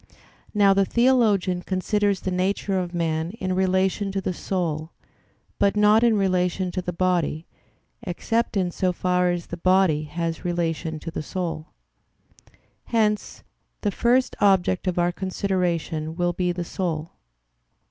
Now the theologian considers the nature of man in relation to the soul; but not in relation to the body, except in so far as the body has relation to the soul. Hence the first object of our consideration will be the soul.